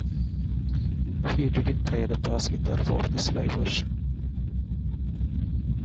He didn't play the bass guitar for this live version.